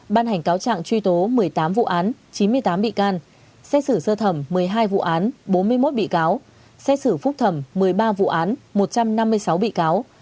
ban hành cáo trạng truy tố một mươi tám vụ án chín mươi tám bị can xét xử sơ thẩm một mươi hai vụ án bốn mươi một bị cáo xét xử phúc thẩm một mươi ba vụ án một trăm năm mươi sáu bị cáo